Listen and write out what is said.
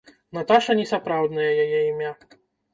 Наташа не сапраўднае яе імя.